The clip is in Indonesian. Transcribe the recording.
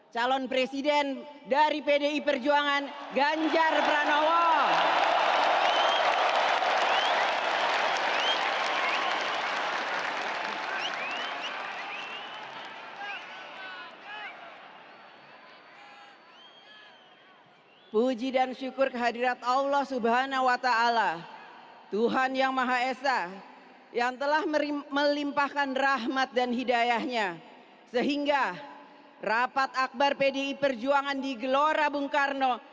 calon presiden dari pdi perjuangan ganjar pranowo